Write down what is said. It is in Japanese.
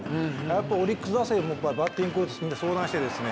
やっぱオリックス打線もバッティングコーチみんな相談してですね